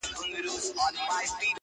چی هر څوک به په سزا هلته رسېږي!